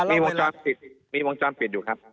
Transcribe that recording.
มีวงค์สร้างติดมีวงค์สร้างติดอยู่ครับ